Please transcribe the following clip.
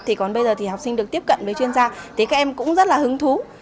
thì còn bây giờ thì học sinh được tiếp cận với chuyên gia thì các em cũng rất là hứng thú